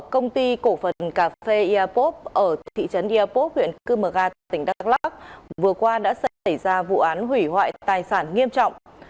công ty cổ phần cà phê iapop ở thị trấn iapop huyện cư mờ ga tỉnh đắk lắc vừa qua đã xảy ra vụ án hủy hoại tài sản nghiêm trọng